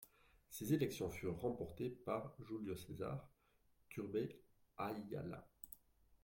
Ces élections furent remportées par Julio César Turbay Ayala.